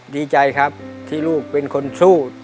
ดีใจครับที่ลูกเป็นคนสู้